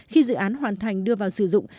khi dự án hoàn thành đưa vào sử dụng